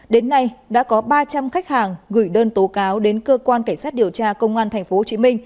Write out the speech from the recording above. đến nay đã có ba trăm linh khách hàng gửi đơn tố cáo đến cơ quan cảnh sát điều tra công an tp hcm